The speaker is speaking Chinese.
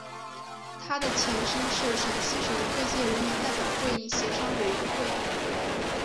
它的前身是陕西省各界人民代表会议协商委员会。